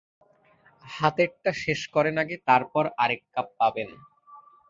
হাতেরটা শেষ করেন আগে তারপর আরেক কাপ পাবেন।